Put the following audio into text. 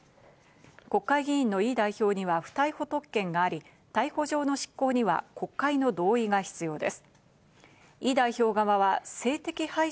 国会議員のイ代表には不逮捕特権があり、逮捕状の執行には国会の同意が必要です。